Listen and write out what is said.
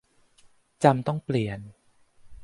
จำต้องเปลี่ยน